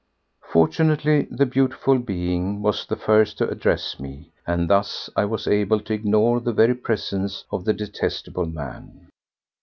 Fortunately the beautiful being was the first to address me, and thus I was able to ignore the very presence of the detestable man.